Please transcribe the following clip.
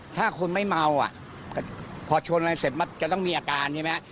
ถ้าคนไม่เมาอ่ะพอชนอะไรเสร็จมันจะต้องมีอาการใช่ไหม